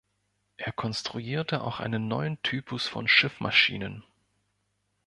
Er konstruierte auch einen neuen Typus von Schiffsmaschinen.